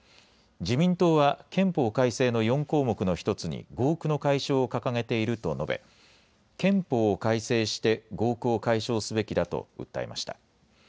自民党は憲法改正の４項目の１つに合区の解消を掲げていると述べ、憲法を改正して合区を解消すべきだと訴えました。